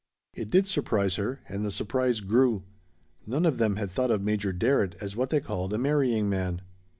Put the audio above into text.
It did surprise her, and the surprise grew. None of them had thought of Major Darrett as what they called a marrying man.